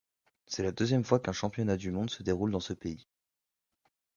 C'est la deuxième fois qu'un championnat du monde se déroule dans ce pays.